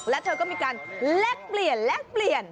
และเธอก็มีการแลกเปลี่ยนแลกเปลี่ยน